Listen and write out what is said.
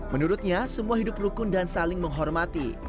menurutnya semua hidup rukun dan saling menghormati